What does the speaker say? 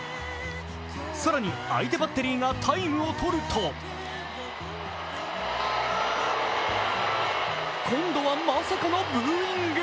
更に相手バッテリーがタイムをとると今度はまさかのブーイング。